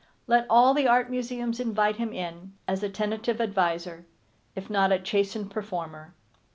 Let all the Art Museums invite him in, as tentative adviser, if not a chastened performer.